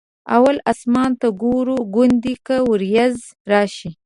اول اسمان ته ګورو ګوندې که ورېځ راشي.